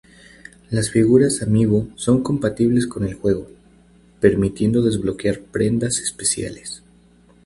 Las figuras amiibo son compatibles con el juego, permitiendo desbloquear prendas especiales.